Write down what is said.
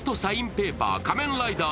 ペーパー仮面ライダー